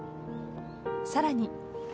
更に。